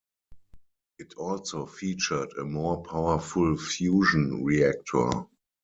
It also featured a more powerful fusion reactor.